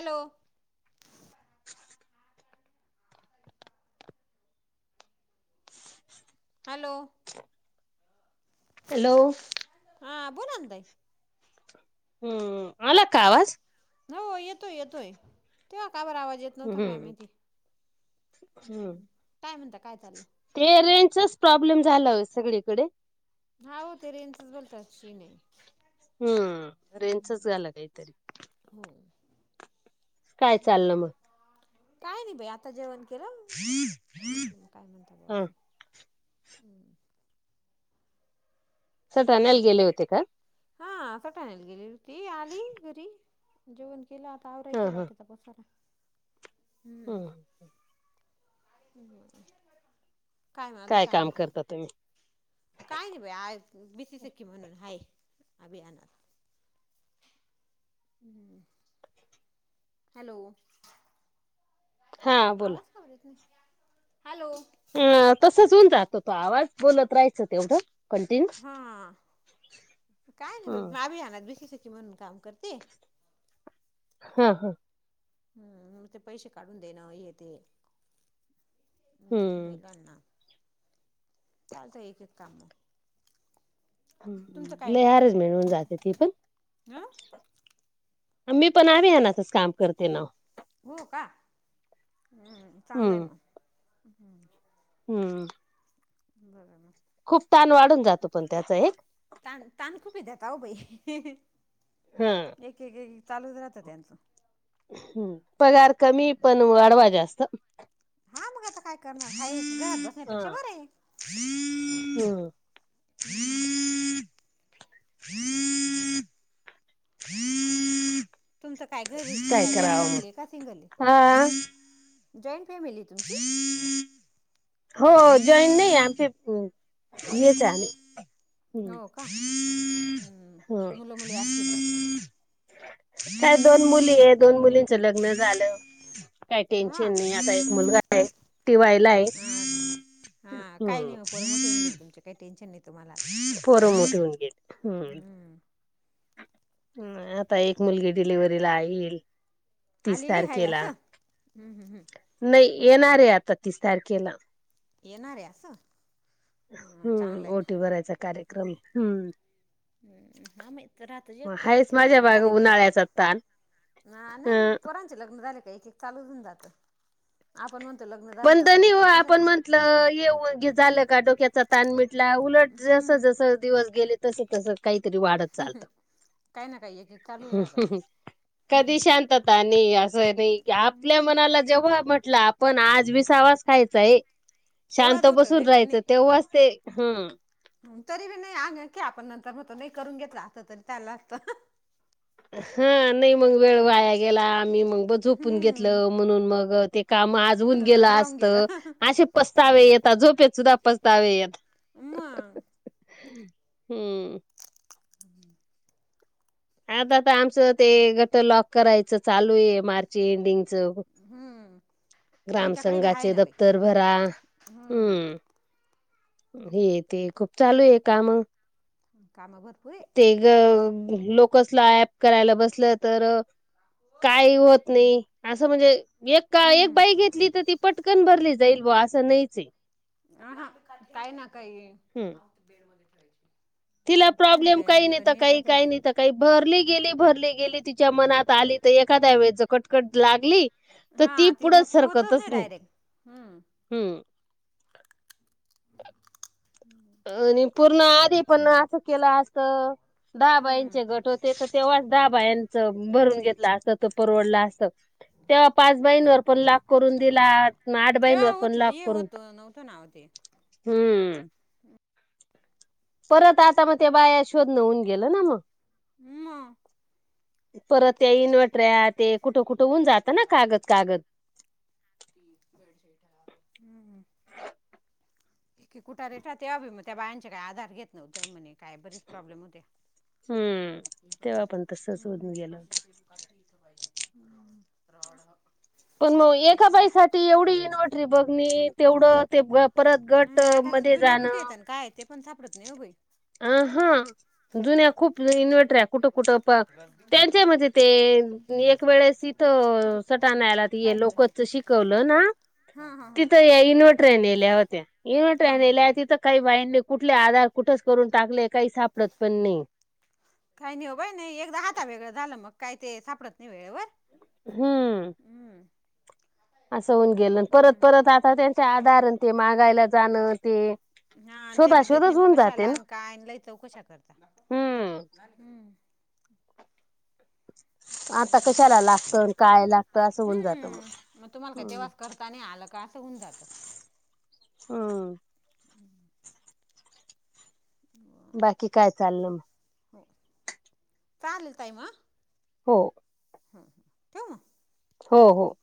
Hello hello! Hello! हा बोला ना ताय- हम्म, आला का आवाज? हो, येतोय येतोय. तू या का बर आवाज येत नव्हता? काय हम्म माहिती? काय म्हणता? काय चाललंय? ते रेंजचाच प्रॉब्लेम झालाय सगळीकडे. हा हो ते रेन्सच बोलते [unintelligible] हम्म, रेंचच झालं काहीतरी. काय चाललं मग काय नाही बाई आ ता जेवण केलं. म्हटलं ही काय म्हणते बुवा हा असं. सर हॅलो ठाण्याल गेले होते का? हा असं टाण्याला गेली होती, आली घरी जेवण केलं. आता आता हा आवरायचा हा बाकीचा पसारा, हम्म. काय म? अजून काय काम म्हणता? करता तुम्ही काय नाही बाई आज बी सी सिक्की म्हणून हाय अभियानात. हम्म. हॅलो. हा बोला. [unintelligible] हॅलो. अ तसच होऊन जातो तो आवाज, बोलत राहायचं तेवढं. कंटिन्यू हा, काय नाही बघ अभियानात बी शी सिक्की म्हणून काम करते. हं हं. हम्म, मग ते पैसे काढून देणं, ये ते. बोला हम्म ना. चालतंय एक एक कामं. लय अरेंजमेंट मिळवून जाते ती पण. हं मी पण अभियानातच काम करते ना. हो का? चांगलंय हम्म मग. हम्म. बरंय मग. खूप ताण वाढून जातो पण त्याचा एक. तान तान खूप हे [unintelligible] ओ बाई. हा. एक एक एक एक चालूच राहतं त्यांचं. पगार कमी पण वाढवा जास्त. हा मग आता काय करणार, हाय घरात बसण्यापेक्षा बरंय. [inaudible] हम हम्म [unintelligible] [inaudible] [inaudible] तुमचं काय घरीच? काय जॉईंट करावं फॅमिली मग. आहे का? सिंगल हा आहे? जॉईंट फॅमिली आहे तुमची? हो जॉईन नाही आमचे हेच आहे आम्ही. हो हम्म का? हम्म, मुलं मुली असतील? काय दोन मुलीये दोन मुलींचं लग्न झालं. काय हा टेन्शन नाही. आता एक मुलगा आहे, टी वाय ला हाय. हां हां काही नाही वो पोरं मोठं होऊन गेली तुमचे, काही टेन्शन नाही तुम्हाला. आता पोर मोठ होऊन गेलेत. हम्म आता एक मुलगी डिलिव्हरीला आली येईल. तीस आलेली आहे तारखेला असं हम्म हम्म हम्म. नाही येणारय आता तीस तारखेला. येणार आहे असं हम्म चांगलं आहे ओटी भरायचा कार्यक्रम हम्म. [unintelligible] राहतच मग एक आहेच पोरांचे बी माझ्या लग्न माग झाले का एक एक. उन्हाळ्याचा ताण अ लग्न झाले का एक एक चालू होऊन जात. आपण म्हणतो लग्न पण [unintelligible] दनी कशात आपण काय म्हटल ये झाल. का डोक्याचा ताण मिटला उलट जस हम्म जस दिवस गेले तस तस काहीतरी वाढत हम्म. चालत. काही ना काही एक एक चालूच राहत. कधी शांतता नाही असय बाई की आपल्या मनाला जेव्हा म्हटल आपण आज. वाज खायचा आहे शांत तेव्हाच होतं बसून नाही तर राहायच नाही तेव्हाच ते तरी बी नाही आणखी आपण नंतर म्हणतो नाही करून घेतल असत तरी चालल असत. हा नाही मग वेळ वाया गेला मी मग झोपून घेतल हम्म. म्हणून मग ते काम आज होऊन गेल म्हणूनच राहून असत गेलं. असे पस्तावे हम्म येतात झोपेत सुद्धा पस्त तावे येतात मग हम्म. [inaudible] हा आता तर आमच ते गट लॉक करायच चालू ये मार्च एंडिंग. हम्म. ग्राम आमच्याकडे बी आहे संंघाचे ना बाई दप्तर भरा हम्म. हे ते खूप चालू आहे काम. काम भर ते ग लोकसला ऍप करायला बसल तर काही होत नाही अस म्हणजे एक का एक हम्म बाई घेतली तर ती पटकन भरली जाईल बुवा अस नाहीचय. आहा काय ना काही. हम्म. तिला ना प्रॉब्लेम काही नाही तर अडचणी काही काही येतातच. नाही तर काही भरली गेली भरली गेली तिच्या मनात आली तर एखाद्या वेळेस जर कटकट लागली तर ती हा ते पुढ मग होतच सरकतच नाही डायरेक्ट हम्म हम्म. [inaudible] आणि पूर्ण आधी पण अस केल असत दहा हम्म. बाईंचे गट होते. त्याच तेव्हाच दहा बायांच भरून घेतल असत तर परवडल असत. तेव्हा पाच बायांंवर पण लाभ करून दिला आठ तेव्हा बाईंवर पण होत ना लाभ हे करून होत ना वो ते. हम्म. परत आता मग त्या बाया शोधन होऊन गेल ना मग. मग परत त्या इन्व्हर्टऱ्या ते कुठ कुठ होऊन जात ना कागद कागद. हम्म हम्म एक एक उठा रेटा त्या बी मग त्या बायांच्या काही आधार घेत नव्हते म्हणे. काय बरेच प्रॉब्लेम होते. हम्म. तेव्हा पण तसच हम्म होऊन गेलं. पण मग एका बरं बाईसाठी एवढी इनव्हर्टरी बघणी तेवढ ते परत गट हम्म आता तर मध्ये दुनिया जाण. कुठे येत आणि काय ते पण सापडत नाही वो योग्य. अ हा जुन्या खूप इन्वट ट्र्या कुठ कुठ त्यांच्या म ते एक वेळेस इथं कुठे? सटा नला त पाय बरं हाय का? लोकचच शिकवलं ना हा हा हा तिथं या इनव्हर्टऱ्या नेल्या होत्या हा इनव्हटऱ्या हा. नेल्या तिथं काही बायांनी कुठले आधार कुठेच करून टाकले काही सापडत पण नाही. काही नाही हो बाई नाही एकदा हाता वेगळं झालं मग काही ते सापडत नाही वेळेवर हम्म हम्म. असं होऊन गेलं. परत परत हम्म आता त्यांचे आधार ते मागायला जाणं ते हा आणि ते शोधा बी देत शोधच नाही मग होऊन कशाल जाते ना आन काय लय चौकशा करता हम्म हम्म. आता कशाला लागतं अन काय लागतं असं होऊन जातं हम्म मग तुम्हाला काय हम्म तेव्हाच करत ना आलं का असं होऊन जातं. हम. [inaudible] हो बाकी काय चाललं मग हो चालेल ताई म. हो. हम. हो हो.